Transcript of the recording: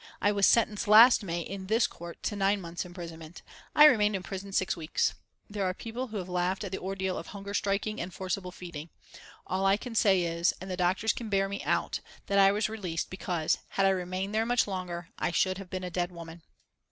I was sentenced last May in this court to nine months' imprisonment. I remained in prison six weeks. There are people who have laughed at the ordeal of hunger striking and forcible feeding. All I can say is, and the doctors can bear me out, that I was released because, had I remained there much longer, I should have been a dead woman.